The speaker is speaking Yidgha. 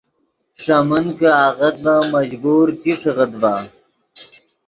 ݰے من کہ آغت ڤے مجبور چی ݰیغیت ڤے